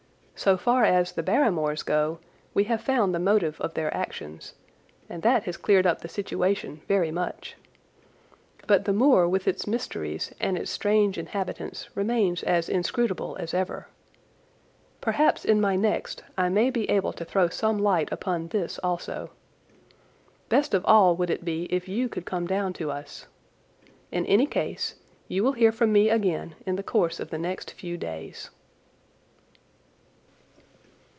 So far as the Barrymores go we have found the motive of their actions, and that has cleared up the situation very much. But the moor with its mysteries and its strange inhabitants remains as inscrutable as ever. Perhaps in my next I may be able to throw some light upon this also. Best of all would it be if you could come down to us. In any case you will hear from me again in the course of the next few days.